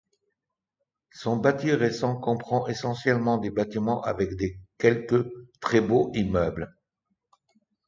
Son bâti récent comprend essentiellement des bâtiments des avec quelques très beaux immeubles.